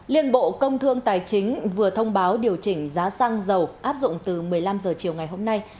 liên bộ công thương tài chính vừa thông báo điều chỉnh giá xăng dầu áp dụng từ một mươi năm h chiều ngày hôm nay